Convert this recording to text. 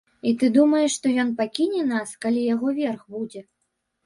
І ты думаеш, што ён пакіне нас, калі яго верх будзе?